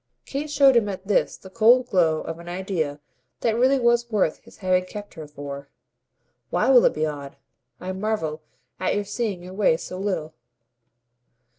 Kate showed him at this the cold glow of an idea that really was worth his having kept her for. "Why will it be odd? I marvel at your seeing your way so little."